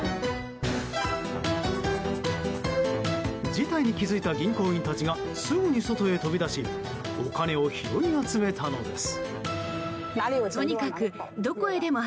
事態に気づいた銀行員たちがすぐに外へ飛び出しお金を拾い集めたのです。